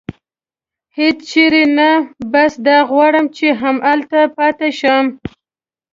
هېڅ چېرې نه، بس دا غواړم چې همدلته پاتې شم.